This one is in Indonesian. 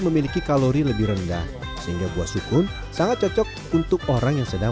memiliki kalori lebih rendah sehingga buah sukun sangat cocok untuk orang yang sedang